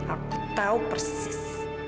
aku tahu persis